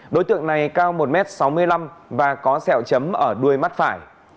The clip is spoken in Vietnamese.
đối tượng này cao một m sáu mươi năm và có sẹo chấm ở đuôi mắt phải